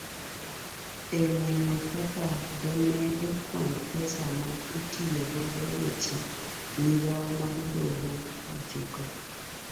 Eneno kaka demed kwand pesa ma itayo godo weche migao mar doho pachoka